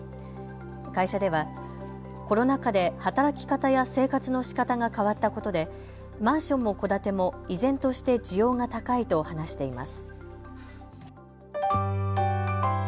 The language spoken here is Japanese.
会社ではコロナ禍で働き方や生活のしかたが変わったことでマンションも戸建ても依然として需要が高いと話しています。